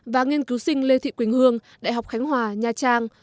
và nghiên cứu sinh lê thị quỳnh hương đại học khánh hòa nha trang